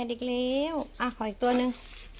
อีกแล้วขออีกตัวนึง